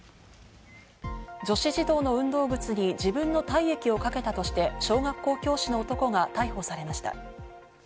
女子児童の運動靴に自分の体液をかけたとして小学校教師の男が逮捕されました。